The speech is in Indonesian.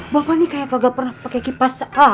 bapak nih kayak gak pernah pake kipas aja